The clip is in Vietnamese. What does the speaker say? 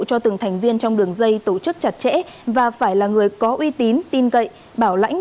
cho từng thành viên trong đường dây tổ chức chặt chẽ và phải là người có uy tín tin cậy bảo lãnh